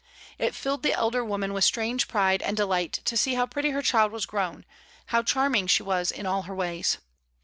It filled the elder woman with strange pride and delight to see how pretty her child was grown, how charming she was in all her ways.